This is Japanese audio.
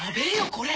これ